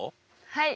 はい。